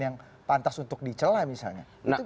yang pantas untuk dicelah misalnya